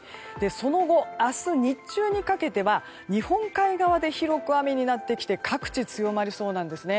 その後、明日日中にかけては日本海側で広く雨になってきて各地、強まりそうなんですね。